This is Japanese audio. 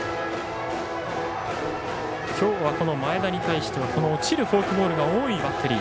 今日は前田に対しては落ちるフォークボールが多いバッテリー。